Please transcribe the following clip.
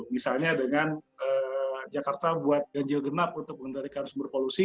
misalnya dengan jakarta buat ganjil genap untuk mengendarikan sumber polusi